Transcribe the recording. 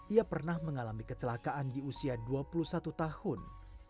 ia pernah mengalami kecelakaan di usia dua puluh satu tahun